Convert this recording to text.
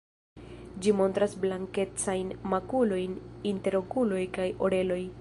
Ĝi montras blankecajn makulojn inter okuloj kaj oreloj.